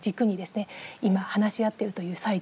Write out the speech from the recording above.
今話し合ってるという最中なんですね。